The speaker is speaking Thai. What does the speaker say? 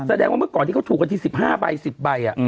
แสดงว่าเมื่อก่อนที่เขาถูกกันที่๑๕ใบ๑๐ใบ